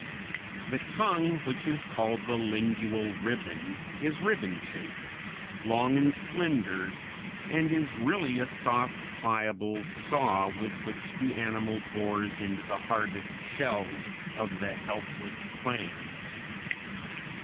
The tongue, which is called the lingual ribbon, is ribbon shaped, long and slender, and is really a soft, pliable saw with which the animal bores into the hardest shells of the helpless clams.